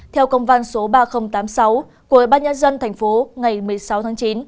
theo công văn số ba nghìn tám mươi sáu của bác nhân dân tp ngày một mươi sáu tháng chín